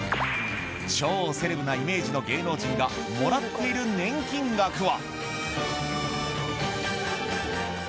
超セレブなイメージの芸能人がもらっている年金額は？